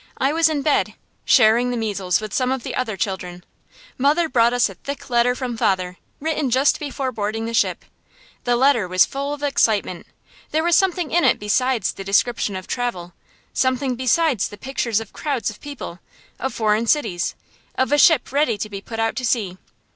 I was in bed, sharing the measles with some of the other children. Mother brought us a thick letter from father, written just before boarding the ship. The letter was full of excitement. There was something in it besides the description of travel, something besides the pictures of crowds of people, of foreign cities, of a ship ready to put out to sea.